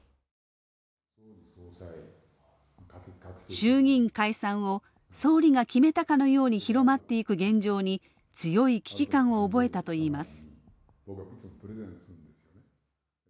衆議院解散を総理が決めたかのように広まっていく現状に強い危機感を覚えたといいます。